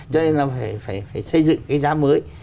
cho nên là phải xây dựng cái giá mới